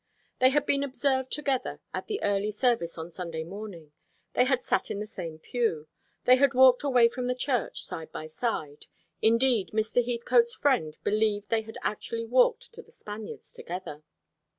They had been observed together at the early service on Sunday morning; they had sat in the same pew; they had walked away from the church side by side indeed, Mr. Heathcote's friend believed they had actually walked to The Spaniards together.